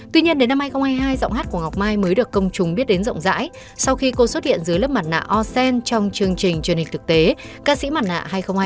tuy nhiên đến năm hai nghìn hai mươi hai giọng hát của ngọc mai mới được công chúng biết đến rộng rãi sau khi cô xuất hiện dưới lớp mặt nạ o cent trong chương trình truyền hình thực tế ca sĩ mặt nạ hai nghìn hai mươi